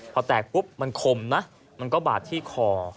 พอแตกปุ๊บมันคมนะมันก็บาดที่คอ